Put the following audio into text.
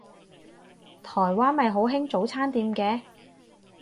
台灣咪好興早餐店嘅